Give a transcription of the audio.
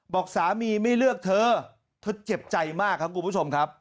บอกสามีไม่เลือกเธอเธอเจ็บใจมากครับคุณผู้ชมครับ